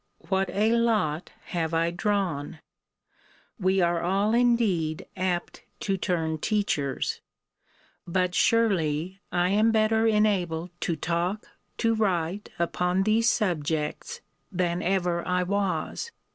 What a lot have I drawn! We are all indeed apt to turn teachers but, surely, I am better enabled to talk, to write, upon these subjects, than ever I was.